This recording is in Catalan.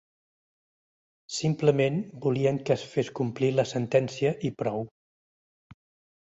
Simplement volien que es fes complir la sentència i prou.